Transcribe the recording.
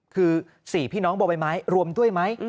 คือ๔พี่น้องบ่อใบไม้รวมด้วยไหม